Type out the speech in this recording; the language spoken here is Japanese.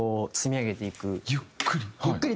ゆっくり？